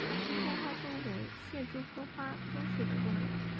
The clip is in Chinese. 新疆花蛛为蟹蛛科花蛛属的动物。